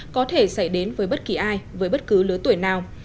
có thể xảy đến với bất kỳ ai với bất cứ lứa tuổi nào